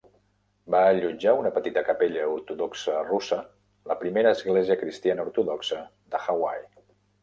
Va allotjar una petita capella ortodoxa russa, la primera església cristiana ortodoxa de Hawaii.